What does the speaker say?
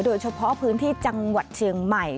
โดยเฉพาะพื้นที่จังหวัดเชียงใหม่